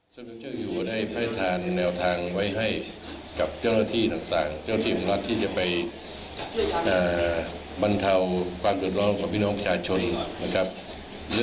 ซึ่งพระราชการ